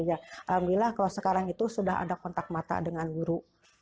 alhamdulillah kalau sekarang itu sudah ada kontak mata dengan guru